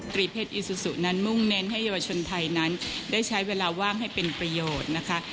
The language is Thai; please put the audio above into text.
ตรีเพศอีซูซูนั้นมุ่งเน้นให้เยาวชนไทยนั้นได้ใช้เวลาว่างให้เป็นประโยชน์นะคะ